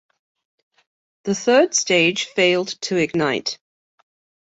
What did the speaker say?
The third stage failed to ignite.